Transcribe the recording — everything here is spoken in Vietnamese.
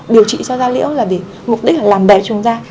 điều trị cho da lĩa là để mục đích là làm đẹp chúng ta